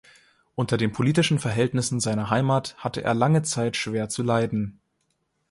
Unter den politischen Verhältnissen seiner Heimat hatte er lange Zeit schwer zu leiden.